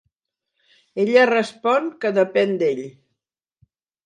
Ella respon que depèn d'ell.